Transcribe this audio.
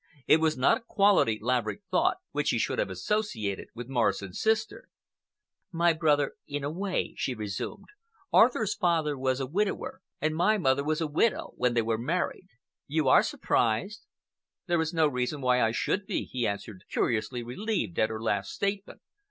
It was not a quality, Laverick thought, which he should have associated with Morrison's sister. "My brother, in a way," she resumed. "Arthur's father was a widower and my mother was a widow when they were married. You are surprised?" "There is no reason why I should be," he answered, curiously relieved at her last statement.